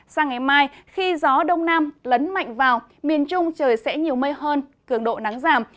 sang ngày mai khi gió đông nam lấn mạnh vào miền trung trời sẽ nhiều mây hơn cường độ nắng giảm